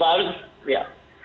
yang menjadi baru ya